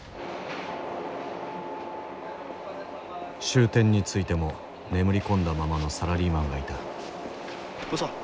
終点に着いても眠り込んだままのサラリーマンがいたおじさん